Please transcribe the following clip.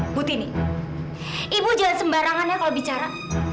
ibu tini ibu jangan sembarangannya kalau bicara